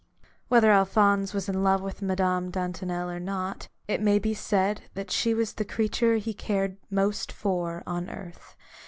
Whether Alphonse was in love with Madame Dantonel or not, it may be said that she was the creature he cared most for on earth.